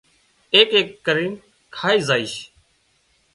ايڪ ايڪ نين ڪرين کائي زائيش